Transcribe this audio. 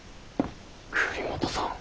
栗本さん！